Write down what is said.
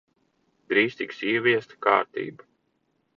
Drīz tiks ieviesta kārtība.